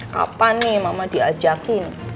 kapan nih mama diajakin